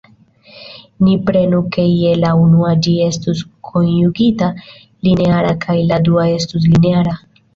Ni prenu ke je la unua ĝi estu konjugita-lineara kaj la dua estu lineara.